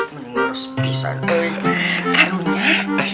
menurus pisang karunya